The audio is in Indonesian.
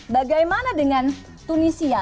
bagaimana dengan tunisia